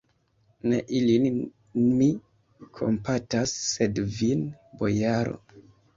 Ne ilin mi kompatas, sed vin, bojaro!